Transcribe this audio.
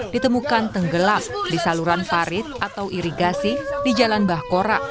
ditemukan tenggelam di saluran parit atau irigasi di jalan bahkora